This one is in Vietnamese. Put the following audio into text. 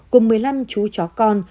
cùng một mươi năm chú chó con